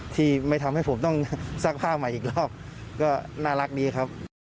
ที่ไม่ทำให้ผมต้องซักผ้าใหม่อีกรอบก็น่ารักดีครับ